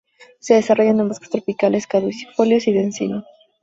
Se desarrolla en bosques tropicales caducifolios y de encino.